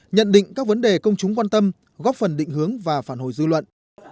nhận định các vấn đề công chúng quan tâm góp phần định hướng và phản hồi dư luận